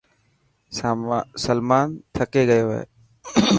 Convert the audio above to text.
سلمان ٿڪي گيو هي.